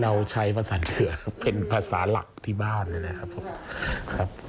เราใช้ภาษาเหนือเป็นภาษาหลักที่บ้านนะครับ